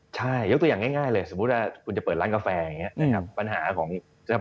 ใช่ยกตัวอย่างง่ายเลยสมมุติว่าคุณจะเปิดร้านกาแฟอย่างนี้นะครับปัญหาของ